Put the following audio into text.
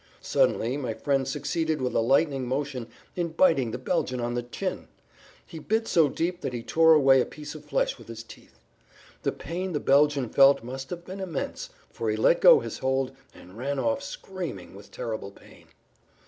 Suddenly my friend succeeded with a lightning motion in biting the Belgian in the chin. He bit so deeply that he tore away a piece of flesh with his teeth. The pain the Belgian felt must have been immense, for he let go his hold and ran off screaming with terrible pain.